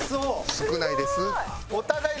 少ないです。